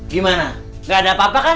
gimana gak ada apa apa kan